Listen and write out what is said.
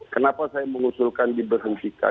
kenapa saya mengusulkan diberhentikan